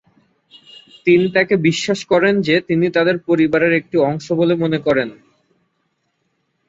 তিনি তাকে বিশ্বাস করেন যে তিনি তাদের পরিবারের একটি অংশ বলে মনে করেন।